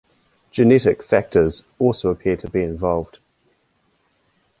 Genetic factors also appear to be involved.